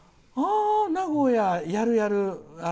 名古屋、やるやる。